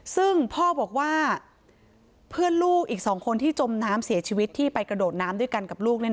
ซึ่งพ่อบอกว่าเพื่อนลูกอีก๒คนที่จมน้ำเสียชีวิตที่ไปกระโดดน้ำด้วยกันกับลูก